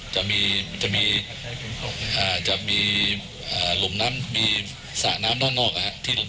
จะมีจะมีหลุมน้ำมีสระน้ำด้านนอกนะครับ